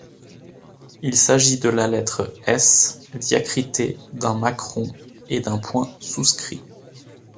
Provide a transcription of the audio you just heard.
Il s’agit de la lettre S diacritée d’un macron et d’un point souscrit.